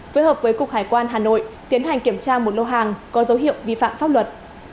phối hợp với cục hải quan hà nội tiến hành kiểm tra một lô hàng có dấu hiệu vi phạm pháp luật